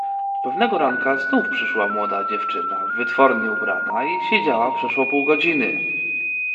"Pewnego ranka znów przyszła młoda dziewczyna wytwornie ubrana i siedziała przeszło pół godziny."